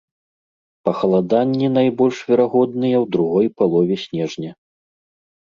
Пахаладанні найбольш верагодныя ў другой палове снежня.